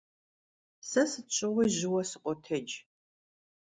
Se sıt şığui jıue sıkhotec.